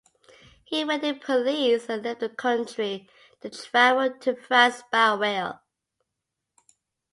He evaded police and left the country to travel to France by rail.